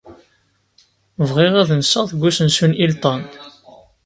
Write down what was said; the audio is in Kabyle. Bɣiɣ ad nseɣ deg usensu n Hilton.